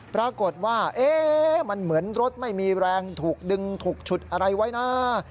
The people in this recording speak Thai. ปรากฏว่ามันเหมือนรถไม่มีแรงถูกดึงถูกฉุดอะไรไว้นะ